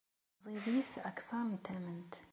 Ẓidit akter n tament.